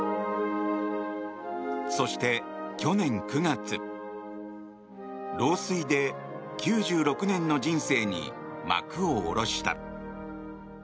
そして去年９月、老衰で９６年の人生に幕を下ろした。